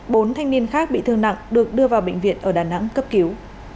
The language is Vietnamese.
bốn thanh niên khác bị thương nặng được đưa vào bệnh viện ở đà nẵng cấp cứu